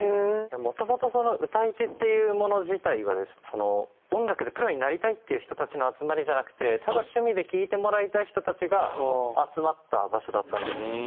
もともと歌い手っていうもの自体は音楽でプロになりたいっていう人たちの集まりじゃなくてただ趣味で聴いてもらいたい人たちが集まった場所だったんです。